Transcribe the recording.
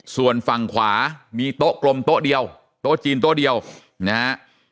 ส่วนฝั่งขวามีโต๊ะกลมโต๊ะเดียวโต๊ะจีนโต๊ะเดียวนะฮะ